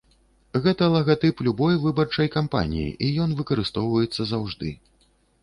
Гэта лагатып любой выбарчай кампаніі і ён выкарыстоўваецца заўжды.